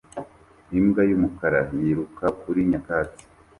Imbwa y'umukara yiruka kuri nyakatsi